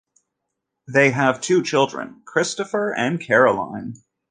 They have two children, Christopher and Caroline.